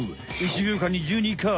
１秒間に１２回！